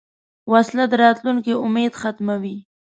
وسله د راتلونکې امید ختموي